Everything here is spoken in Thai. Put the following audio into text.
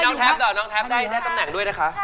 น้องแท๊ปได้จำแหน่งด้วยนะคะ